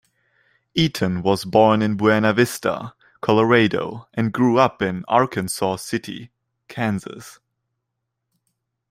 Eaton was born in Buena Vista, Colorado and grew up in Arkansas City, Kansas.